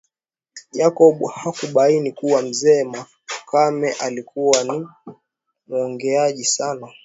Jacob hakubaini kuwa mzee Makame alikuwa ni muongeaji sana